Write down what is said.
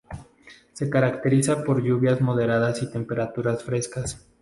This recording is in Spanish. Se caracteriza por lluvias moderadas y temperaturas frescas.